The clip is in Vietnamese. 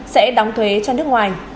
sẽ đóng thuế cho nước ngoài